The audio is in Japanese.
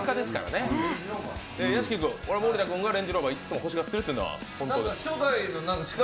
屋敷君、森田君がレンジローバーいつも欲しがってるのは本当ですか？